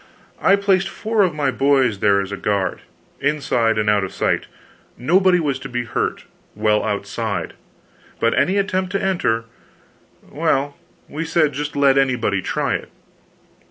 I placed four of my boys there as a guard inside, and out of sight. Nobody was to be hurt while outside; but any attempt to enter well, we said just let anybody try it!